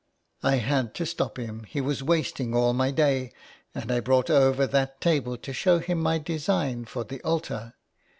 I had to stop him, he was wasting all my day, and I brought over that table to show him my design for the altar.